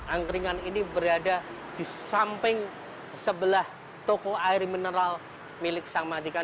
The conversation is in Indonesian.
angkringan ini berada di samping sebelah toko air mineral milik sang madikan